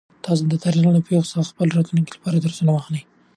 تاسو د تاریخ له پېښو څخه د خپل راتلونکي لپاره درسونه واخلئ.